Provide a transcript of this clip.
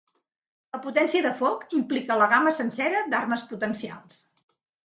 La potència de foc implica la gamma sencera d'armes potencials.